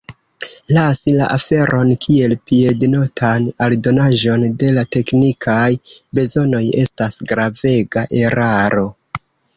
Lasi la aferon kiel piednotan aldonaĵon de la teknikaj bezonoj estas gravega eraro.